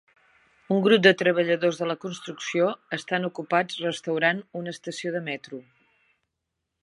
un grup de treballadors de la construcció estan ocupats restaurant una estació de metro.